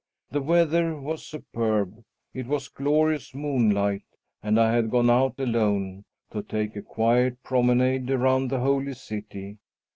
The weather was superb; it was glorious moonlight, and I had gone out alone to take a quiet promenade around the Holy City.